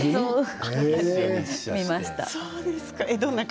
見ました。